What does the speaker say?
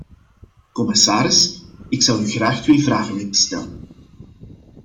Commissaris, ik zou u graag twee vragen willen stellen.